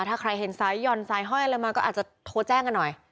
ถ้าใครเห็นสายหย่อนสายห้อยอะไรมาก็อาจจะโทรแจ้งกันหน่อย